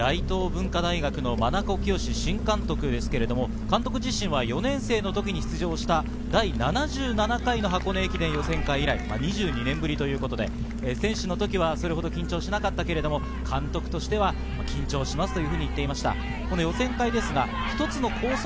大東文化大学の真名子圭新監督ですけれども、監督自身は４年生の時に出場した第７７回の箱根駅伝予選会以来２２年ぶりということで、選手の時はそれほど緊張しなかったけれども、監督としては緊張しますというふうに言っていました。